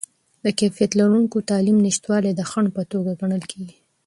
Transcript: د کیفیت لرونکې تعلیم نشتوالی د خنډ په توګه ګڼل کیږي.